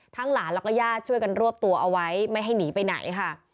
หลานแล้วก็ญาติช่วยกันรวบตัวเอาไว้ไม่ให้หนีไปไหนค่ะ